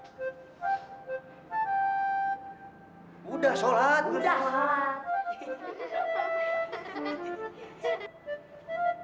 kalian pada ngapain